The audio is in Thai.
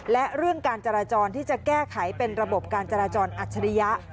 และเรื่องการจราจรที่จะแก้ไขเป็นระบบการจราจรอัจฉริยะ